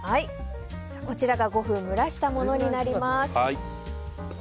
こちらが５分蒸らしたものです。